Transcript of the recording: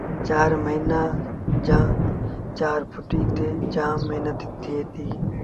چآر موهيݩآݩ جآم ڦٽي تي جآم مهنت ٿئي ديٚ